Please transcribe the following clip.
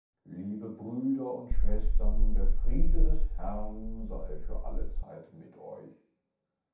Liebe Brüder und Schwestern, der Friede des Herrn sei für alle Zeit mit euch.